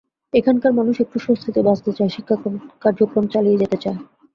এখানকার মানুষ একটু স্বস্তিতে বাঁচতে চায়, শিক্ষা কার্যক্রম চালিয়ে যেতে চায়।